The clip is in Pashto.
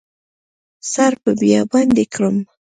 سر په بیابان دې کړم